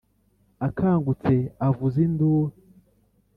akangutse avuza indur